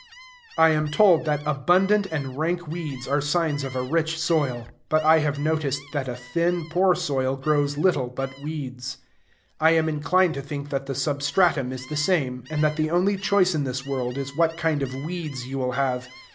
I am told that abundant and rank weeds are signs of a rich soil; but I have noticed that a thin, poor soil grows little but weeds. I am inclined to think that the substratum is the same, and that the only choice in this world is what kind of weeds you will have.